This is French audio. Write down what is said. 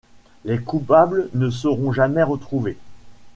Les coupables ne seront jamais retrouvés.